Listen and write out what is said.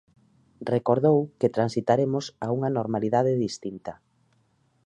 Recordou que transitaremos a unha normalidade distinta.